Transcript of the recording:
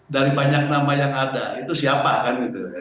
dari banyak banyak yang ada itu siapa kan